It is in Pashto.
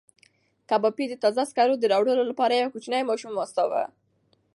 کبابي د تازه سکروټو د راوړلو لپاره یو کوچنی ماشوم واستاوه.